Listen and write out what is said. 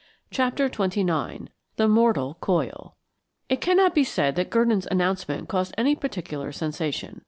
CHAPTER XXIX THIS MORTAL COIL It cannot be said that Gurdon's announcement caused any particular sensation.